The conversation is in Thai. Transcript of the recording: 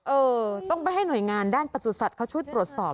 เออต้องไปให้หน่วยงานด้านประสุทธิ์สัตว์เข้าชุดปรดสอบ